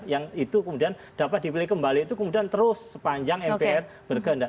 yang itu kemudian dapat dipilih kembali itu kemudian terus sepanjang mpr berganda